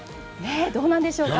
どうなんでしょうか。